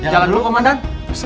jalan dulu komandan